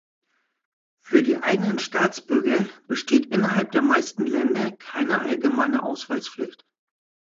Für die eigenen Staatsbürger besteht innerhalb der meisten Länder keine allgemeine Ausweispflicht.